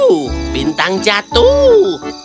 oh bintang jatuh